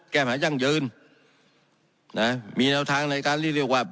แก้มหาย่างยืนนะมีแนวทางในการเรียกเรียกว่า